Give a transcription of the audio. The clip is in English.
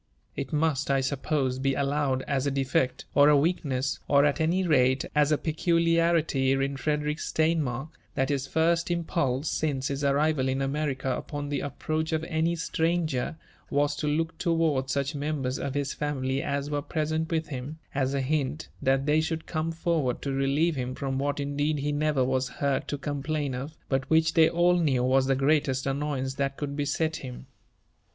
It must, I suppose, be allowed as a defect, or a weakness, or, at any rate, as a peculiarity in Frederick Steinmark, that his first impulse since his arrival in America upon the approach of any stranger, was to look towards such members of his family as yrere present with him, as a hint that they should come forward to relieve him from what indeed he never was heard to complain of, but which they all knew was the greatest annoyance that could beset him.